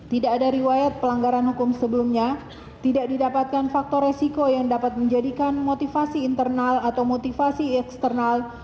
tidak ada riwayat pelanggaran hukum sebelumnya tidak didapatkan faktor resiko yang dapat menjadikan motivasi internal atau motivasi eksternal